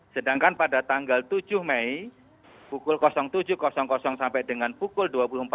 sedangkan pada tanggal tujuh mei pukul tujuh sampai dengan pukul dua puluh empat